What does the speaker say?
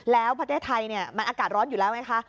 แล้วประเทศไทยมันอากาศร้อนอยู่แล้วไงคะ